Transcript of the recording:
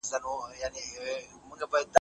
¬ چي خداى ئې ورکوي، بټل ئې يار دئ.